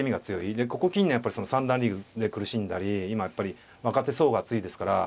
でここ近年やっぱりその三段リーグで苦しんだり今やっぱり若手層が厚いですから。